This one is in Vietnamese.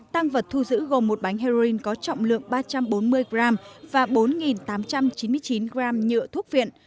tăng vật thu giữ gồm một bánh heroin có trọng lượng ba trăm bốn mươi g và bốn tám trăm chín mươi chín gram nhựa thuốc viện